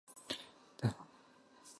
The part was never brought to market.